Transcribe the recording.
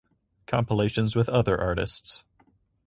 Compilations with other artists